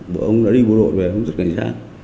bọn ông đã đi bộ đội về ông rất cảnh giác